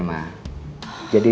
udah ke kamar dulu